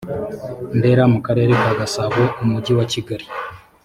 ndera mu karere ka gasabo umujyi wa kigali